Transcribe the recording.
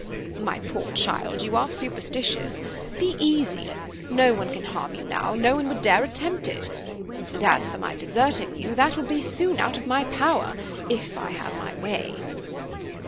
"My poor child, you are superstitious. Be easy. No one can harm you now, no one would dare attempt it. And as for my deserting you, that will soon be out of my power, if I have my way."